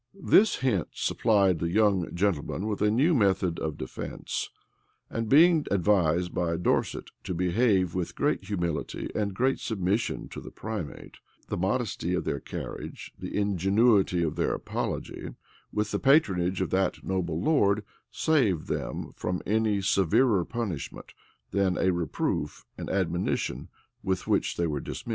This hint supplied the young gentlemen with a new method of defence: and being advised by Dorset to behave with great humility and great submission to the primate, the modesty of their carriage, the ingenuity of their apology, with the patronage of that noble lord, saved them from any severer punishment than a reproof and admonition, with which they were dismissed.